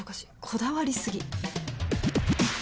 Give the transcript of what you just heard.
こだわり過ぎ。